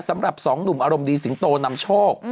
สำหรับสองหนุ่มอารมณ์ดีสิงโตนำโชค